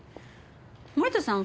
森田さん